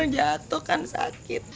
jatuh kan sakit